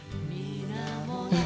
うん。